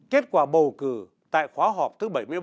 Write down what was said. kết quả bầu cử tại khóa họp thứ bảy mươi ba